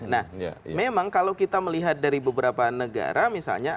nah memang kalau kita melihat dari beberapa negara misalnya